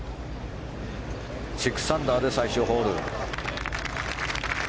６アンダーで最終ホール。